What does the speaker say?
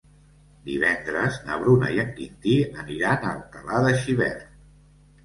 Divendres na Bruna i en Quintí aniran a Alcalà de Xivert.